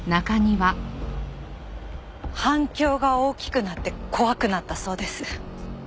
反響が大きくなって怖くなったそうです。